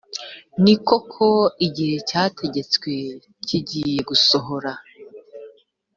ni koko igihe cyategetswe kigiye gusohora.